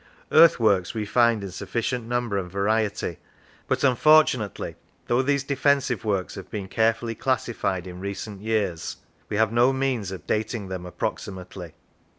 Earthworks we find in sufficient number and variety, but unfor tunately, though these defensive works have been carefully classified in recent years, we have no means of dating them approximately.